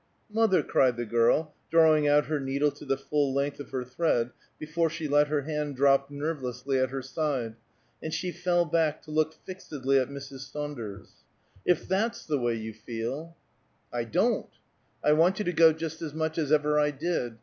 "Mother!" cried the girl, drawing out her needle to the full length of her thread before she let her hand drop nervelessly at her side, and she fell back to look fixedly at Mrs. Saunders. "If that's the way you feel!" "I don't! I want you to go just as much as ever I did.